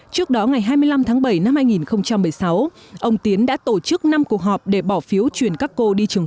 trước đó ngày hai mươi năm tháng bảy năm hai nghìn một mươi sáu ông tiến đã tổ chức năm cuộc họp để bỏ phiếu truyền các cô đi trường